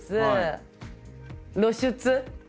露出？